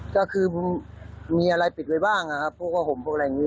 ก็คือมีอะไรปิดไว้บ้างนะครับพวกกับผมพวกอะไรอย่างนี้